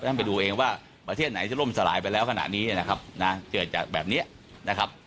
ท่านไปดูเองว่าประเทศไหนที่ล่มสลายไปแล้วขณะนี้นะครับนะเกิดจากแบบนี้นะครับ